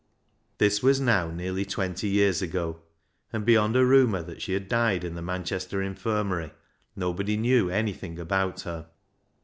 This was now nearly twenty years ago, and beyond a rumour that she had died in the Manchester Infirmary, nobody knew anything about her.